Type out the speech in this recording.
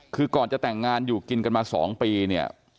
คือก่อนจะแต่งงานอยู่กลับมา๒ปี